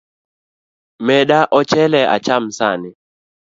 Meda ochele acham sani.